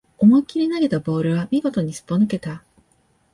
思いっきり投げたボールは見事にすっぽ抜けた